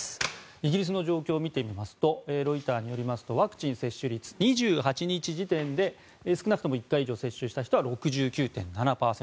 イギリスの状況を見てみますとロイターによりますとワクチン接種率２８日時点で少なくとも１回以上接種した人は６９．７％。